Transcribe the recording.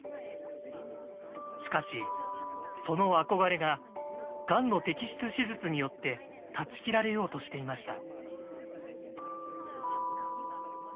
しかしその憧れががんの摘出手術によって断ち切られようとしていました。